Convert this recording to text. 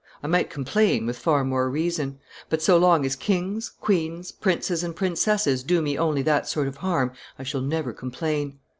I might complain, with far more reason; but, so long as kings, queens, princes, and princesses do me only that sort of harm, I shall never complain.